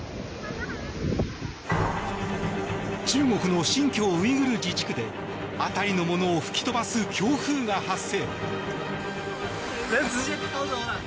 中国の新疆ウイグル自治区で辺りのものを吹き飛ばす強風が発生。